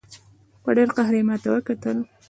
په ډېر قهر یې ماته وکتل.